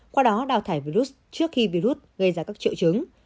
qua đó đào thải virus trước khi virus gây ra các triệu chứng